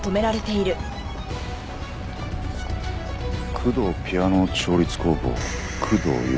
「工藤ピアノ調律工房工藤由美」